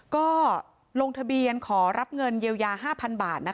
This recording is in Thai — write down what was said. ก็ลงทะเบียนขอรับเงินเยียวยา๕๐๐๐บาท